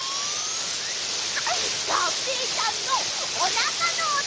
がんぺーちゃんのおなかのおと！